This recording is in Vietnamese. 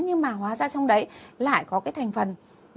nhưng mà hóa ra trong đấy lại có cái thành phần